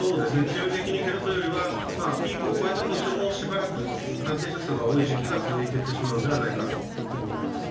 急激に減るというよりはピークを越えたとしてもしばらく感染者数が多い時期が続いていってしまうのではないかと思います。